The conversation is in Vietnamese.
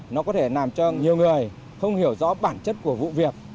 nó có thể làm cho nhiều người không hiểu rõ bản chất của vụ việc